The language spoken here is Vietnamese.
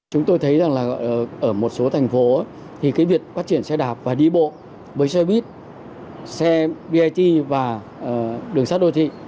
chúng tôi thấy rằng là ở một số thành phố thì cái việc phát triển xe đạp và đi bộ với xe buýt xe bit và đường sát đô thị